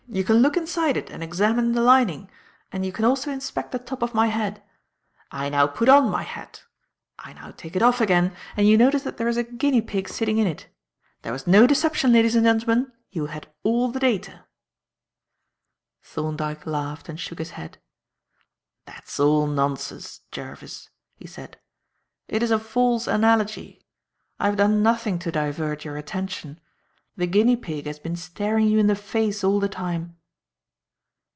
You can look inside it and examine the lining, and you can also inspect the top of my head. I now put on my hat. I now take it off again and you notice that there is a guinea pig sitting in it. There was no deception, ladies and gentlemen, you had all the data.'" Thorndyke laughed and shook his head, "That's all nonsense, Jervis," he said. "It is a false analogy. I have done nothing to divert your attention. The guinea pig has been staring you in the face all the time."